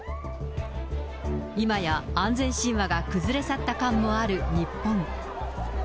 今や安全神話が崩れ去った感のある日本。